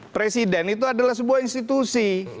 presiden itu adalah sebuah institusi